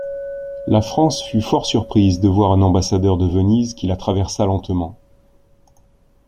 La France fut fort surprise de voir un ambassadeur de Venise qui la traversa lentement.